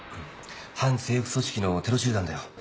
反政府組織のテロ集団だよ。